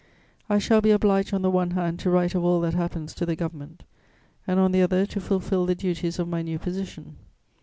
I shall be obliged, on the one hand, to write of all that happens to the Government and, on the other, to fulfil the duties of my new position.